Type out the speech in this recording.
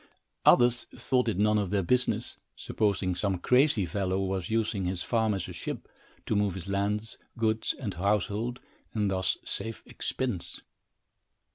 Others thought it none of their business, supposing some crazy fellow was using his farm as a ship, to move his lands, goods and household, and thus save expense.